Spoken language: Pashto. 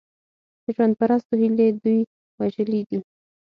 د ژوند پرستو هیلې دوی وژلي دي.